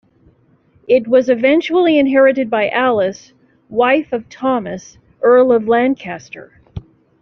It was eventually inherited by Alice, wife of Thomas, Earl of Lancaster.